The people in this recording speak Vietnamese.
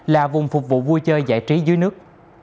là vùng phục vụ vui chơi giải trí dưới nước